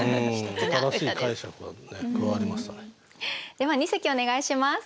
では二席お願いします。